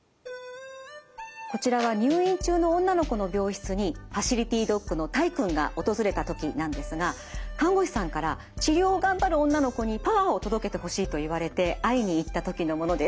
こちらは入院中の女の子の病室にファシリティドッグのタイくんが訪れた時なんですが看護師さんから治療を頑張る女の子にパワーを届けてほしいと言われて会いに行った時のものです。